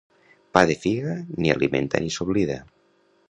Pa de figa, ni alimenta ni s'oblida.